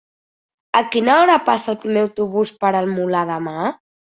A quina hora passa el primer autobús per el Molar demà?